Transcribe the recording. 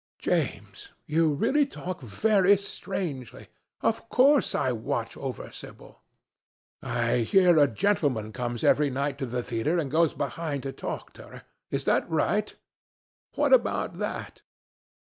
"James, you really talk very strangely. Of course I watch over Sibyl." "I hear a gentleman comes every night to the theatre and goes behind to talk to her. Is that right? What about that?"